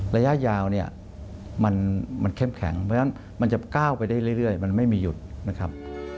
ระยะยาวเนี่ยมันเข้มแข็งเพราะฉะนั้นมันจะก้าวไปได้เรื่อยมันไม่มีหยุดนะครับ